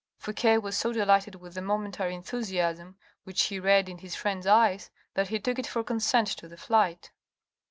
Fouque was so delighted with the momentary enthusiasm which he read in his friend's eyes that he took it for consent to the flight.